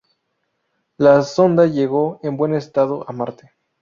La sonda llegó en buen estado a Marte.